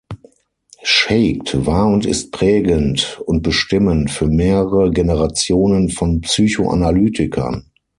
Shaked war und ist prägend und bestimmend für mehrere Generationen von Psychoanalytikern.